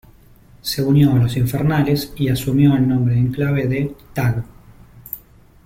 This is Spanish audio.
Se unió a Los Infernales y asumió el nombre en clave de "Tag".